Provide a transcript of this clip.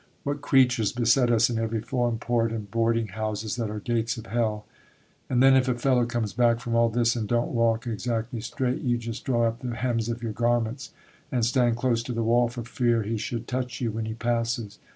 —what creatures, beset us in every foreign port, and boarding houses that are gates of hell; and then, if a fellow comes back from all this and don't walk exactly straight, you just draw up the hems of your garments and stand close to the wall, for fear he should touch you when he passes.